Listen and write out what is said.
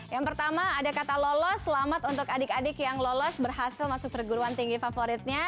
yang pertama ada kata lolos selamat untuk adik adik yang lolos berhasil masuk perguruan tinggi favoritnya